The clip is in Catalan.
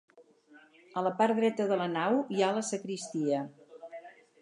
A la part dreta de la nau hi ha la sagristia.